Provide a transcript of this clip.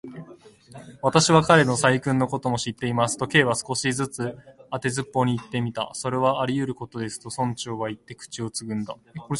「私は彼の細君のことも知っています」と、Ｋ は少し当てずっぽうにいってみた。「それはありうることです」と、村長はいって、口をつぐんだ。